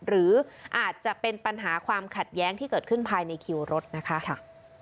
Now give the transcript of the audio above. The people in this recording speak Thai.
หรืออาจจะเป็นปัญหาความขัดแย้งที่เกิดขึ้นภายในคิวรถนะคะ